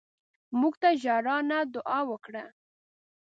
مړه ته ژړا نه، دعا وکړه